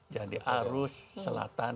jadi arus selatan